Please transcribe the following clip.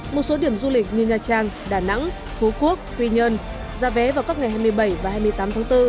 một số điểm du lịch như nha trang đà nẵng phú quốc huy nhơn ra vé vào các ngày hai mươi bảy và hai mươi tám tháng bốn